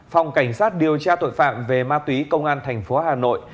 phòng cảnh sát điều tra tội phạm về ma túy công an tp hà nội